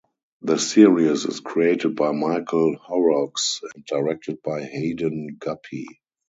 The series is created by Michael Horrocks and directed by Hayden Guppy.